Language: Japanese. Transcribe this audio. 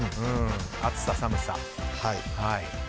暑さ、寒さ。